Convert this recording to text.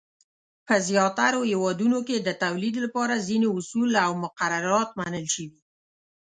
په زیاترو هېوادونو کې د تولید لپاره ځینې اصول او مقررات منل شوي.